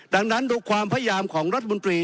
ดังนั้นดูความพยายามของรัฐมนตรี